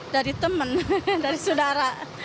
dari teman dari saudara